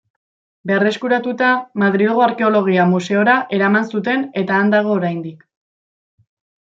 Berreskuratuta, Madrilgo Arkeologia Museora eraman zuten eta han dago oraindik.